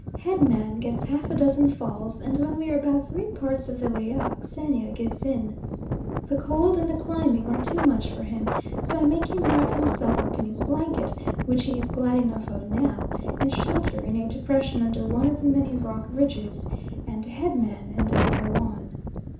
Head man gets half a dozen falls, and when we are about three parts of the way up Xenia gives in. The cold and the climbing are too much for him, so I make him wrap himself up in his blanket, which he is glad enough of now, and shelter in a depression under one of the many rock ridges, and Head man and I go on.